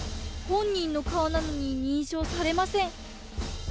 本人の顔なのに認証されません。